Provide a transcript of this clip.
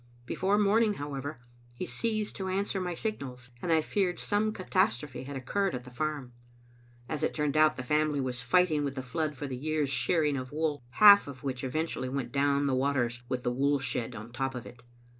Before morning, however, he ceased to answer my sig nals, and I feared some catastrophe had occurred at the farm. As it turned out, the family was fighting with the flood for the year's shearing of wool, half of which eventually went down the waters, with the wool shed on top of it.